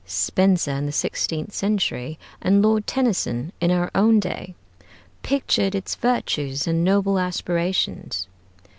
Spenser in the sixteenth century, and Lord Tennyson in our own day, pictured its virtues and noble aspirations.